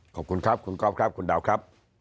ขอบคุณครับคุณก๊อฟครับคุณดาวครับ